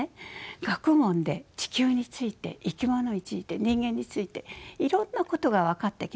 学問で地球について生き物について人間についていろんなことが分かってきました。